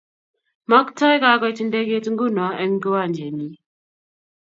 Maktoi kakoit ndeget nguno eng kiwanjenyi